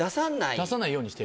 出さないようにしてる？